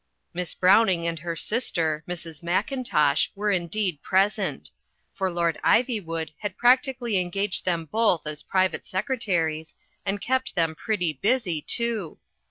Miss Browning and her sister, Mrs. Mackintosh, were indeed present; for Lord Ivywood had practically engaged them both as private secre taries, and kept them pretty busy, too.